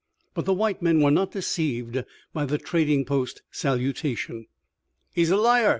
But the white men were not deceived by the trading post salutation. "He's a liar!"